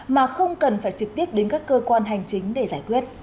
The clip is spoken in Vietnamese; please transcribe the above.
mà không cần phải trực tiếp đến các cơ quan hành chính để giải quyết